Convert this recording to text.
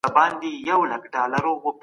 ژوندپوهنه د تحلیل او مشاهدې په مانا ده.